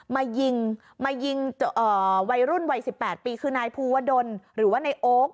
มายิงมายิงวัยรุ่นวัย๑๘ปีคือนายภูวดลหรือว่านายโอ๊ค